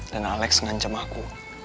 dan alex ngancem aku